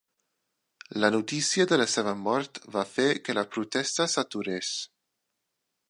La notícia de la seva mort va fer que la protesta s'aturés.